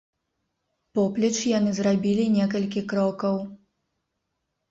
Поплеч яны зрабілі некалькі крокаў.